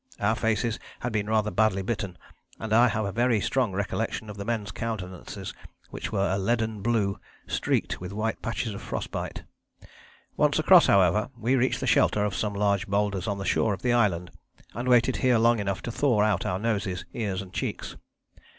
Our faces had been rather badly bitten, and I have a very strong recollection of the men's countenances, which were a leaden blue, streaked with white patches of frost bite. Once across, however, we reached the shelter of some large boulders on the shore of the island, and waited here long enough to thaw out our noses, ears, and cheeks.